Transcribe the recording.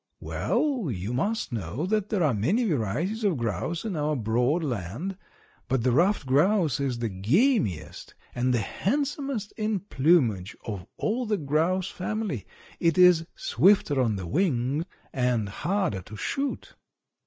"Well, you must know that there are many varieties of grouse in our broad land, but the ruffed grouse is the gamiest and handsomest in plumage of all the grouse family. It is swifter on the wing and harder to shoot.